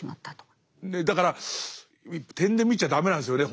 だから点で見ちゃ駄目なんですよね。